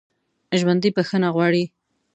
ژوندي بخښنه غواړي